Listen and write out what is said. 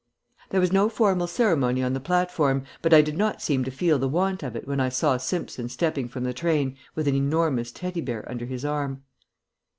There was no formal ceremony on the platform, but I did not seem to feel the want of it when I saw Simpson stepping from the train with an enormous Teddy bear under his arm.